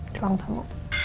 di ruang tamu